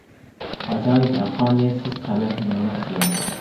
ئاجايىپ ھەققانىيەتسىز، قەبىھ بىر نەرسە بار.